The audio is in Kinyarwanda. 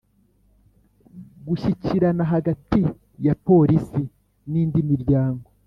Gushyikirana hagati ya polisi n indi miryango